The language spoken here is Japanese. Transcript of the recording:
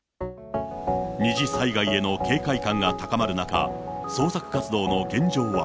二次災害への警戒感が高まる中、捜索活動の現状は。